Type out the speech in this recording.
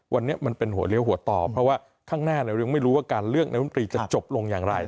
วันนี้มันเป็นหัวเลี้ยวหัวต่อเพราะว่าข้างหน้าเรายังไม่รู้ว่าการเลือกนายมนตรีจะจบลงอย่างไร